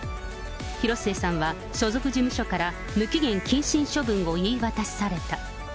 広末さんは所属事務所から無期限謹慎処分を言い渡された。